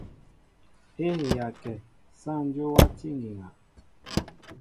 É heya kɛ , sááŋ Dyó wátí ŋgiŋa.